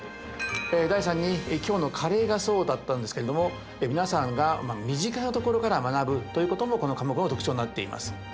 第３に今日のカレーがそうだったんですけれども皆さんが身近なところから学ぶということもこの科目の特徴になっています。